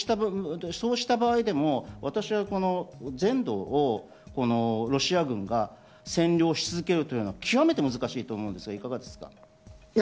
そうした場合、全土をロシア軍が占領し続けるというのは極めて難しいと思うんですが、いかがですか？